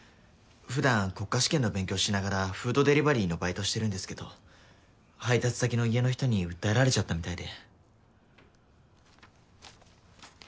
普段国家試験の勉強しながらフードデリバリーのバイトしてるんですけど配達先の家の人に訴えられちゃったみたいで。